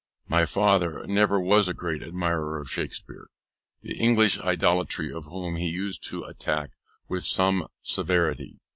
My father never was a great admirer of Shakspeare, the English idolatry of whom he used to attack with some severity.